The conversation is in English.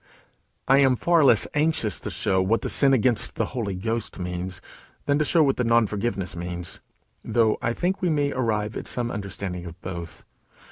I am far less anxious to show what the sin against the Holy Ghost means, than to show what the nonforgiveness means; though I think we may arrive at some understanding of both.